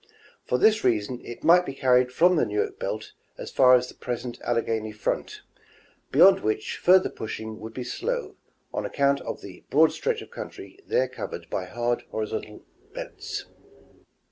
For this reason, it might be carried from the Newark belt as far as the present Alleghany front, beyond which further pushing would be slow, on account of the broad stretch of country there covered by hard horizontal beds.